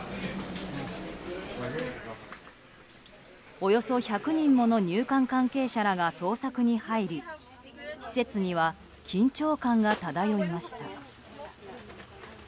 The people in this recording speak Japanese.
およそ１００人もの入管関係者らが捜索に入り施設には緊張感が漂いました。